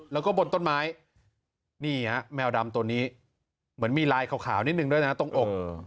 แล้วก็บนต้นไม้นี่ฮะแมวดำตัวนี้เหมือนมีลายขาวนิดนึงด้วยนะตรงอก